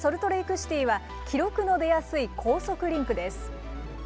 シティーは、記録の出やすい高速リンクです。